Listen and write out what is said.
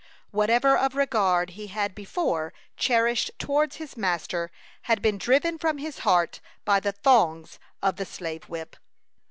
Whatever of regard he had before cherished towards his master had been driven from his heart by the thongs of the slave whip.